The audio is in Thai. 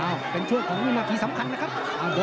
เป็นช่วงของวินาทีสำคัญนะครับ